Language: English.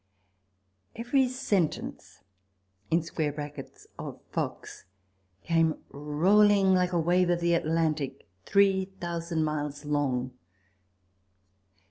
Every sentence [of Fox] came rolling like a wave of the Atlantic, three thousand miles long.